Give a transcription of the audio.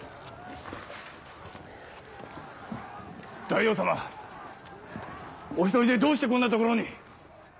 大王様お一人でどうしてこんな所に？